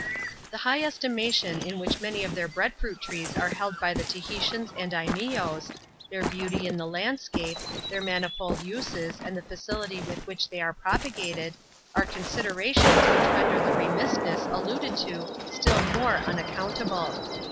The high estimation in yAAcAi loasi^ ^^^^^ ^x^»XAx5itRA«fc CHAP, uox.] THE COCOA PALM. 265 held by the Tahitians and Imeeose — their beauty in the land scape — their manifold uses, and the facility with which they are propagated, are considerations which render the remissness alluded to still more unaccountable.